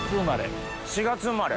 ４月生まれ。